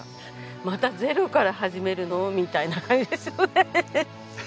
またゼロから始めるの？みたいな感じですよね。